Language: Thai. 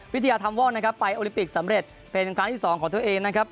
วิทยาธรรมว่องนะครับไปโอลิปิกสำเร็จเป็นครั้งที่สองของตัวเองนะครับ